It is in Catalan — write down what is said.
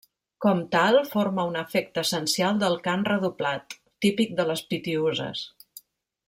Com tal, forma un efecte essencial del cant redoblat, típic de les Pitiüses.